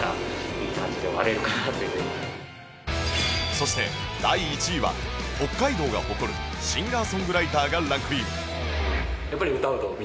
そして第１位は北海道が誇るシンガーソングライターがランクイン